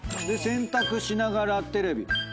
で洗濯しながらテレビ。